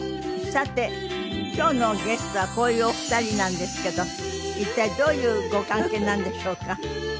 さて今日のゲストはこういうお二人なんですけど一体どういうご関係なんでしょうか？